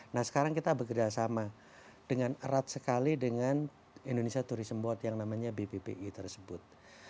nah sekarang kita bekerjasama dengan erat sekali dengan indonesia tourism board yang namanya bppi tersebut